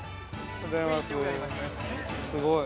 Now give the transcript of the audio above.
◆すごい。